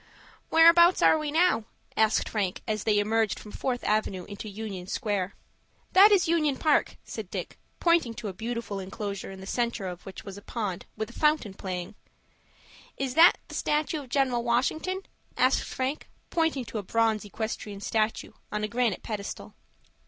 "Whereabouts are we now?" asked Frank, as they emerged from Fourth Avenue into Union Square. "That is Union Park," said Dick, pointing to a beautiful enclosure, in the centre of which was a pond, with a fountain playing. "Is that the statue of General Washington?" asked Frank, pointing to a bronze equestrian statue, on a granite pedestal.